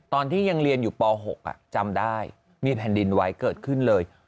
ตอนที่ยังเรียนอยู่ป๖จำได้มีแผ่นดินไว้เกิดขึ้นเลย